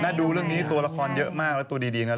ดูเรื่องนี้ตัวละครเยอะมากแล้วตัวดีนะ